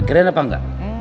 keren apa nggak